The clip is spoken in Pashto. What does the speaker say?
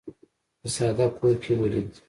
په ساده کور کې ولید.